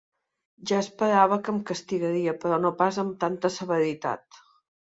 Ja esperava que em castigaria, però no pas amb tanta severitat.